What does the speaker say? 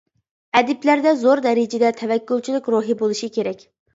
ئەدىبلەردە زور دەرىجىدە تەۋەككۈلچىلىك روھى بولۇشى كېرەك.